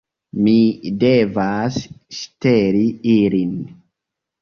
Mi devas ŝteli ilin